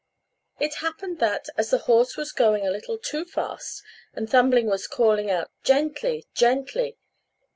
It happened that, as the horse was going a little too fast, and Thumbling was calling out "Gently, gently!"